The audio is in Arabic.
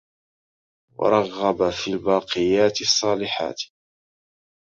وَرَغَّبَ فِي الْبَاقِيَاتِ الصَّالِحَاتِ